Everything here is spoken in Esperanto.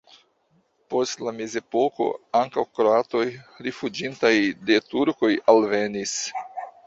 Post la mezepoko ankaŭ kroatoj rifuĝintaj de turkoj alvenis.